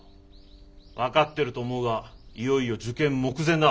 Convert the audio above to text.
分かってると思うがいよいよ受験目前だ。